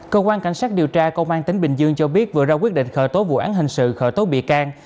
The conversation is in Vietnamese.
cơ quan cảnh sát điều tra công an tỉnh bình dương cho biết vừa ra quyết định khởi tố vụ án hình sự khởi tố bị can